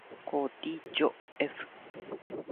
こ ｄ じょ ｆ